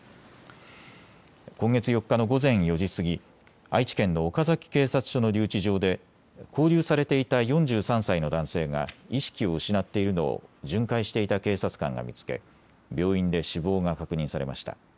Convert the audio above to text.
今月４日の午前４時過ぎ、愛知県の岡崎警察署の留置場で勾留されていた４３歳の男性が意識を失っているのを巡回していた警察官が見つけ病院で死亡が確認されました。